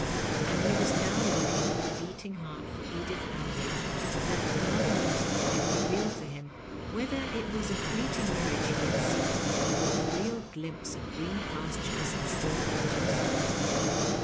And he was now looking vnth beating heart for Edith Ambridge, that another meeting might reveal to him whether it was a fleeting mirage he had seen, or a real glimpse of green pastures and still waters.